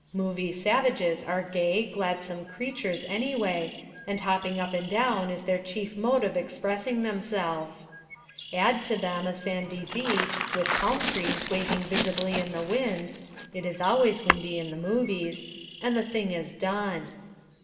Movie savages are gay, gladsome creatures anyway, and hopping up and down is their chief mode of expressing themselves. Add to them a sandy beach, with palm trees waving visibly in the wind (it is always windy in the movies) and the thing is done.